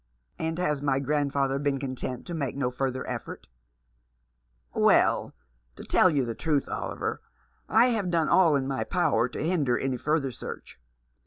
" And has my grandfather been content to make no further effort ?"" Well, to tell you the truth, Oliver, I have done all in my power to hinder any further search.